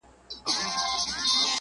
را سهید سوی، ساقي جانان دی.